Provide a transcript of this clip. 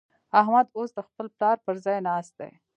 احمد اوس د خپل پلار پر ځای ناست دی.